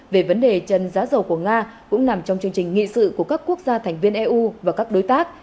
về vấn đề chân giá dầu của nga cũng nằm trong chương trình nghị sự của các quốc gia thành viên eu và các đối tác